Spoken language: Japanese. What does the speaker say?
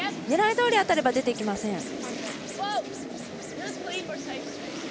狙いどおり当たれば出ていきません。